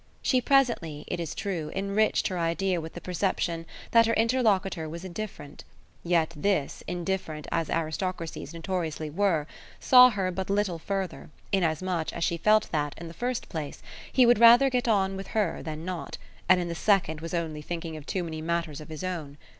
She presently, it is true, enriched her idea with the perception that her interlocutor was indifferent; yet this, indifferent as aristocracies notoriously were, saw her but little further, inasmuch as she felt that, in the first place, he would much rather get on with her than not, and in the second was only thinking of too many matters of his own.